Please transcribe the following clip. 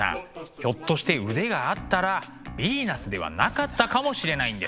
ひょっとして腕があったらヴィーナスではなかったかもしれないんです。